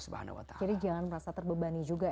jadi jangan merasa terbebani juga